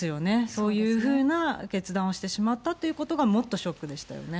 そういうふうな決断をしてしまったということが、もっとショックでしたよね。